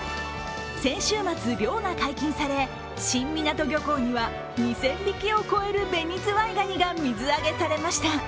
先週末、漁が解禁され、新湊漁港には２０００匹を超える紅ズワイガニが水揚げされました。